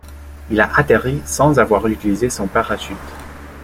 Il a atterri sans avoir utilisé son parachute.